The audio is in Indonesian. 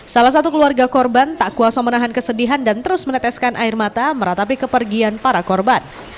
salah satu keluarga korban tak kuasa menahan kesedihan dan terus meneteskan air mata meratapi kepergian para korban